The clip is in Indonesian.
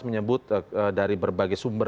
menyebut dari berbagai sumber